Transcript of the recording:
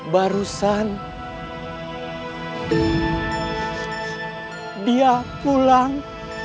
barusan dia pulang